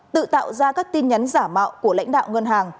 tự tạo ra các tin nhắn giả mạo của lãnh đạo ngân hàng